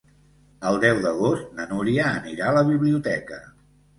El deu d'agost na Núria anirà a la biblioteca.